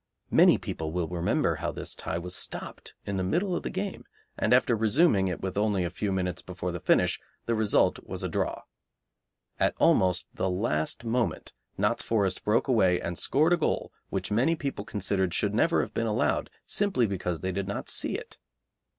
Many people will remember how this tie was stopped in the middle of the game, and after resuming it with only a few minutes before the finish the result was a draw. At almost the last moment Notts Forest broke away and scored a goal which many people considered should never have been allowed, simply because they did not see it.